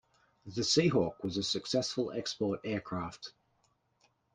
The Sea Hawk was a successful export aircraft.